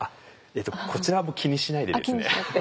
こちらはもう気にしないでですね。